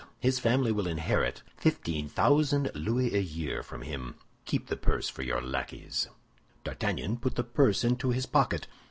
His family will inherit fifteen thousand louis a year from him. Keep the purse for your lackeys." D'Artagnan put the purse into his pocket.